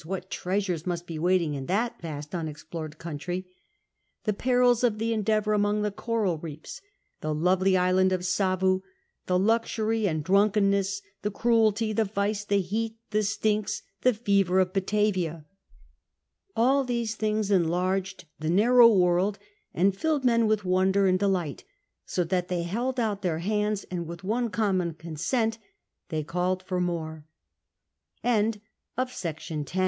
what treasures must be waiting in that vast unexplored country) ; the perils of the Endeavour among the coral reefs ; the lovely island of Savu ; the luxury, the drunkenness, the cruelty, the vice, the licat, the stinks, the fever of Batavia — all these things enlarged the narrow world and filled men with wonder and de light, so that they held out their hands, and with one common conse